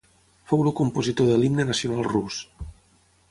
Fou el compositor de l'himne nacional rus.